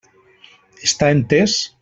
Està entès?